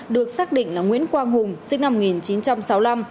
được xác định là nguyễn quang hùng sinh năm một nghìn chín trăm sáu mươi năm